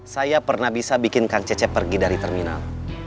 saya pernah bisa bikin kang cecep pergi dari terminal